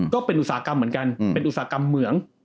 อุตสาหกรรมเหมือนกันเป็นอุตสาหกรรมเหมือง